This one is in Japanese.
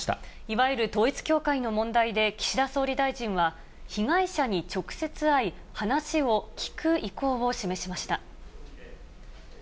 いわゆる統一教会の問題で岸田総理大臣は、被害者に直接会い、話を聞く意向を示しました。